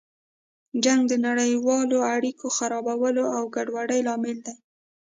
جنګ د نړیوالو اړیکو خرابولو او ګډوډۍ لامل دی.